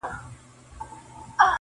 دا نظم وساته موسم به د غوټیو راځي-